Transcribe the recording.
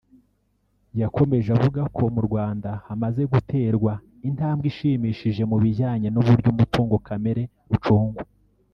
yakomeje avuga ko mu Rwanda hamaze guterwa intambwe ishimishije mu bijyanye n’uburyo umutungo kamere ucungwa